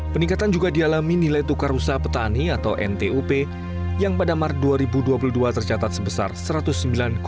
peningkatan juga dialami nilai tukar usaha petani atau ntup yang pada maret dua ribu dua puluh dua tercatat sebesar satu ratus sembilan puluh